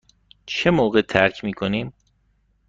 چه موقع ترک می کنیم؟